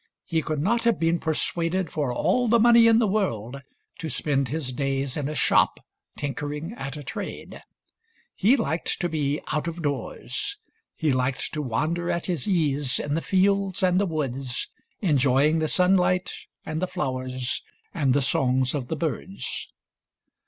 He could not have been persuaded for all the money in the world to spend his days in a shop tinkering at a trade. He liked to be out of doors. He liked to wander at his ease in the fields and the woods, enjoying the sunlight and the flowers and the songs of the birds.